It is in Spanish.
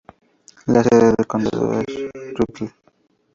La sede del condado es Rutledge.